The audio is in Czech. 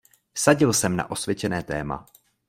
Vsadil jsem na osvědčené téma.